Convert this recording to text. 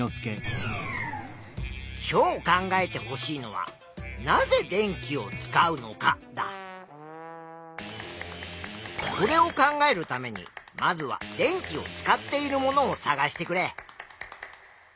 今日考えてほしいのはそれを考えるためにまずは「電気を使っているもの」を探してくれ。